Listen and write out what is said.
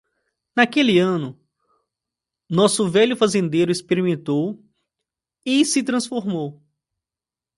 Naquele ano, nosso velho fazendeiro experimentou e se transformou.